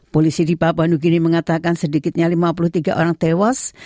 polisi di papua new guinea mengatakan sedikitnya lima puluh tiga orang tewas